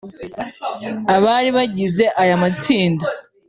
Abari bagize aya matsinda